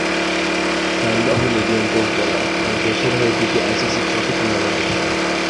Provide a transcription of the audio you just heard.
ডান বাহু medium pace bowler, তিনি দেশের হয়ে দুটি আইসিসি ট্রফি টুর্নামেন্টে খেলেন।